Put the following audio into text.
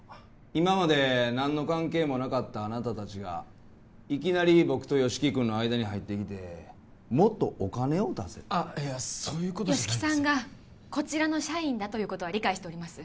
今まで何の関係もなかったあなた達がいきなり僕と吉木君の間に入ってきてもっとお金を出せとあっいやそういうことじゃ吉木さんがこちらの社員だということは理解しております